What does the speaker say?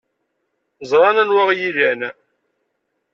Ẓran anwa ay iyi-ilan.